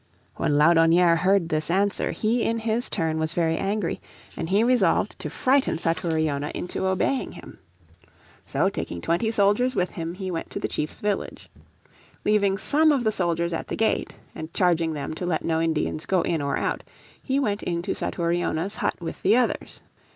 When Laudonnière heard this answer he in his turn was very angry, and he resolved to frighten Satouriona into obeying him. So taking twenty soldiers with him he went to the chief's village. Leaving some of the soldiers at the gate, and charging them to let no Indians go in or out, he went into Satouriona's hut with the others.